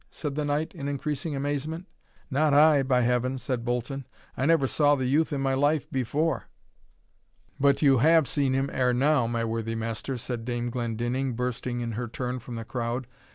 said the knight, in increasing amazement. "Not I, by Heaven!" said Bolton; "I never saw the youth in my life before." "But you have seen him ere now, my worthy master," said Dame Glendinning, bursting in her turn from the crowd.